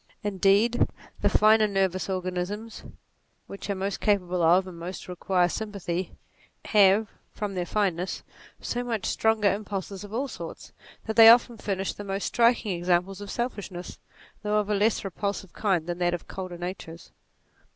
Indeed the finer nervous orga nizations which are most capable of and most require sympathy, have, from their fineness, so much stronger 50 NATURE impulses of all sorts, that they often furnish the most striking examples of selfishness, though of a less repul sive kind than that of colder natures.